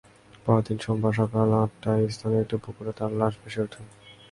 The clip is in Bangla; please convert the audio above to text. পরদিন সোমবার সকাল আটটায় স্থানীয় একটি পুকুরে তার লাশ ভেসে ওঠে।